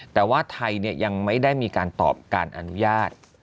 แต่ว่าไทยยังไม่ได้มีการตอบการอนุญาต